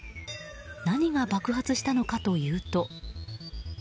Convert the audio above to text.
何が爆発したのかというと。